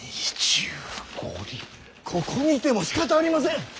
ここにいてもしかたありません。